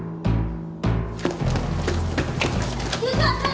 湯川さん！